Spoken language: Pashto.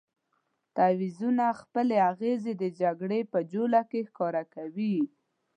تعویضونه خپلې اغېزې د جګړې په جوله کې ښکاره کوي.